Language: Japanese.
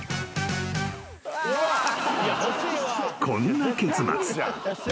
［こんな結末］